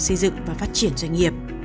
xây dựng và phát triển doanh nghiệp